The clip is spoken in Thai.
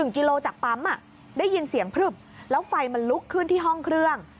กิโลจากปั๊มได้ยินเสียงพลึบแล้วไฟมันลุกขึ้นที่ห้องเครื่อง